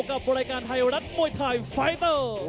กับรายการไทยรัฐมวยไทยไฟเตอร์